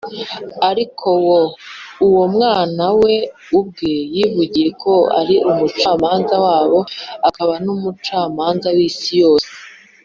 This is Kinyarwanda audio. ariko wo umwana We ubwe yivugiye ko ari umucamanza wabo akaba n’umucamanza w’isi yose.